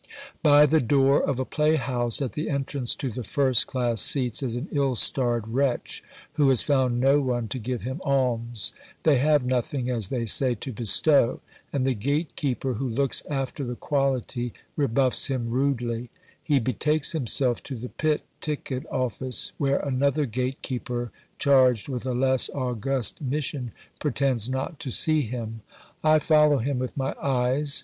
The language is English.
By the door of a play house, at the entrance to the first class seats, is an ill starred wretch who has found no one to give him alms. They have nothing, as they say, to bestow, and the gatekeeper who looks after the quality rebuffs him rudely. He betakes himself to the pit ticket oflice, where another gatekeeper, charged with a less august mission, pretends not to see him. I follow him with my eyes.